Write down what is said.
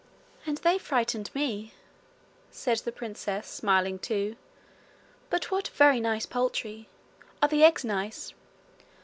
'And they've frightened me,' said the princess, smiling too. 'But what very nice poultry! Are the eggs nice?'